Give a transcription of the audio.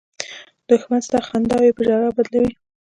دښمن ستا خنداوې په ژړا بدلوي